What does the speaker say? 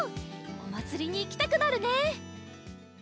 おまつりにいきたくなるね！